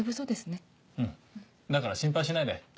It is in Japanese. うんだから心配しないで。